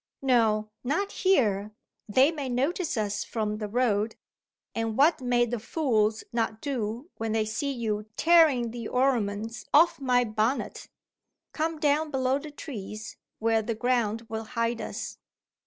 No; not here; they may notice us from the road and what may the fools not do when they see you tearing the ornaments off my bonnet! Come down below the trees, where the ground will hide us."